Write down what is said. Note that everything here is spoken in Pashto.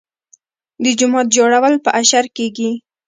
د جومات جوړول په اشر کیږي.